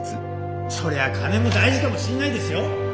そりゃ金も大事かもしんないですよ。